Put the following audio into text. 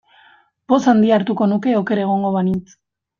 Poz handia hartuko nuke oker egongo banintz.